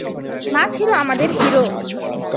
মা ছিল আমাদের হিরো।